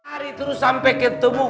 hari terus sampe ketemu